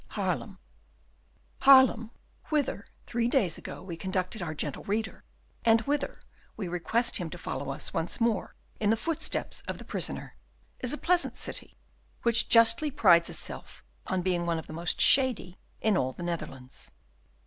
Haarlem Haarlem, whither, three days ago, we conducted our gentle reader, and whither we request him to follow us once more in the footsteps of the prisoner, is a pleasant city, which justly prides itself on being one of the most shady in all the Netherlands.